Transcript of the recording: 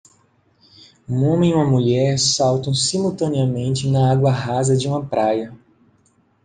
Um homem e uma mulher saltam simultaneamente na água rasa de uma praia.